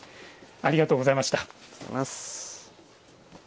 ありがとうございます。